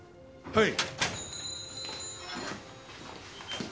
はい。